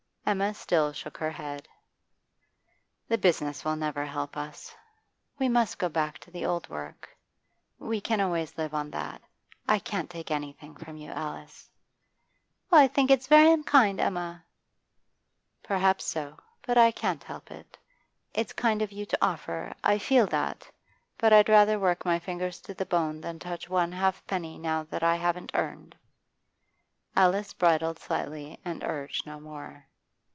Emma still shook her head. 'The business will never help us. We must go back to the old work; we can always live on that. I can't take anything from you, Alice.' 'Well, I think it's very unkind, Emma.' 'Perhaps so, but I can't help it: It's kind of you to offer, I feel that; but I'd rather work my fingers to the bone than touch one halfpenny now that I haven't earned.' Alice bridled slightly and urged no more.